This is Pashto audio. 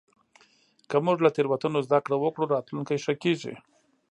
که موږ له تېروتنو زدهکړه وکړو، راتلونکی ښه کېږي.